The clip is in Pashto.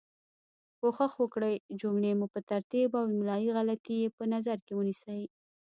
کوښښ وکړئ جملې مو په ترتیب او املایي غلطې یي په نظر کې ونیسۍ